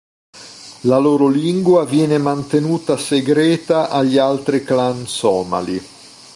La loro lingua viene mantenuta segreta agli altri clan somali.